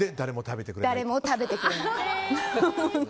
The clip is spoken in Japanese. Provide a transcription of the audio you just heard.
誰も食べてくれない。